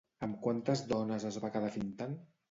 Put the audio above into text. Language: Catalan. Amb quantes dones es va quedar Fintan?